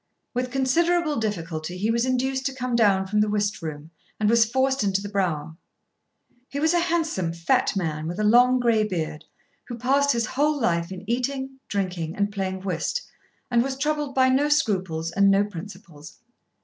With considerable difficulty he was induced to come down from the whist room, and was forced into the brougham. He was a handsome fat man, with a long grey beard, who passed his whole life in eating, drinking, and playing whist, and was troubled by no scruples and no principles.